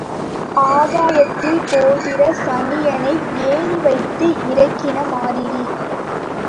ஆகாயத்தில் போகிற சனியனை ஏணி வைத்து இறக்கின மாதிரி.